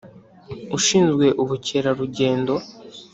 ushinzwe ubukerarugendo